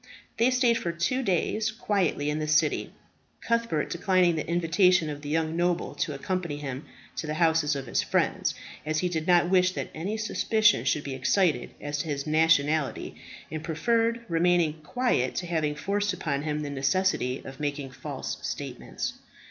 They stayed for two days quietly in the city, Cuthbert declining the invitation of the young noble to accompany him to the houses of his friends, as he did not wish that any suspicion should be excited as to his nationality, and preferred remaining quiet to having forced upon him the necessity of making false statements.